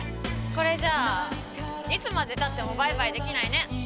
これじゃあいつまでたってもバイバイできないね。